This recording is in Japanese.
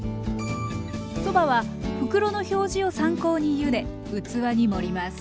そばは袋の表示を参考にゆで器に盛ります。